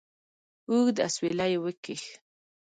اوږد اسویلی یې وکېښ.